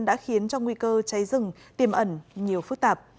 đã khiến cho nguy cơ cháy rừng tiềm ẩn nhiều phức tạp